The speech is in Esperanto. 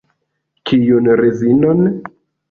Kiun rezinon?